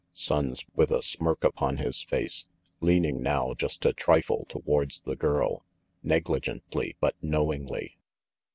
Sonnes, with a smirk upon his face, leaning now just a trifle towards the girl, negligently, but knowingly.